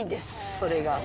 それが。